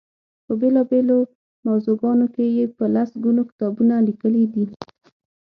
په بېلا بېلو موضوعګانو کې یې په لس ګونو کتابونه لیکلي دي.